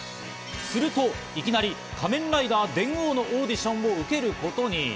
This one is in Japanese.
するといきなり『仮面ライダー電王』のオーディションを受けることに。